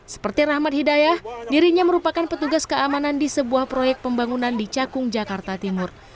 seperti rahmat hidayah dirinya merupakan petugas keamanan di sebuah proyek pembangunan di cakung jakarta timur